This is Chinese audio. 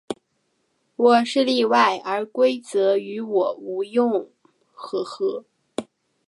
我是例外，而规则于我无用。